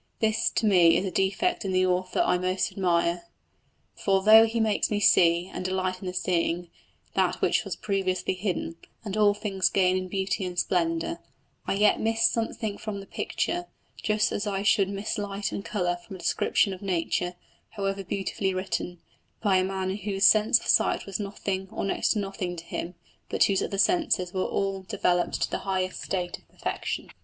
This is to me a defect in the author I most admire; for though he makes me see, and delight in seeing, that which was previously hidden, and all things gain in beauty and splendour, I yet miss something from the picture, just as I should miss light and colour from a description of nature, however beautifully written, by a man whose sense of sight was nothing or next to nothing to him, but whose other senses were all developed to the highest state of perfection.